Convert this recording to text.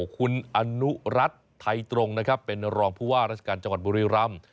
คุณอนุรัตน์ไทยตรงเป็นรองภูวาราชกาลจังหวัดบุรีรำ